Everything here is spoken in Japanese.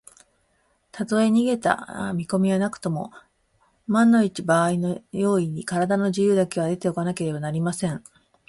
たとえ逃げだす見こみはなくとも、まんいちのばあいの用意に、からだの自由だけは得ておかねばなりません。